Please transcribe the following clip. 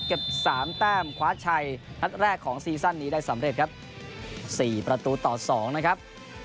เก็บ๓แต้มคว้าชัยนัดแรกของซีซั่นนี้ได้สำเร็จครับ